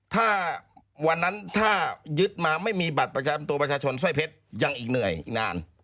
ถ้าวันนั้นถ้ายึดมาไม่มีบัตรประจำตัวประชาชนสร้อยเพชรยังอีกเหนื่อยอีกนาน